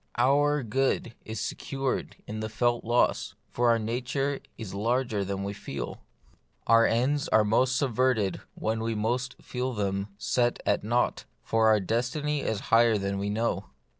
Our good is secured in the felt loss ; for our nature is larger than we feel : our ends are most subserved when most we feel them set at naught, for our destiny is higher than we know.